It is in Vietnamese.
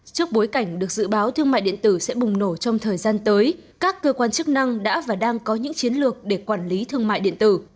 trước bối cảnh được dự báo thương mại điện tử sẽ bùng nổ trong thời gian tới các cơ quan chức năng đã và đang có những chiến lược để quản lý thương mại điện tử